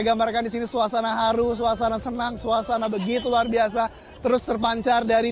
gambarkan di sini suasana haru suasana senang suasana begitu luar biasa terus terpancar dari